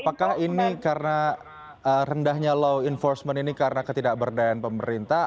apakah ini karena rendahnya law enforcement ini karena ketidakberdayaan pemerintah